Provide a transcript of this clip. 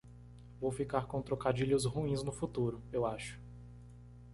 Vou ficar com trocadilhos ruins no futuro?, eu acho.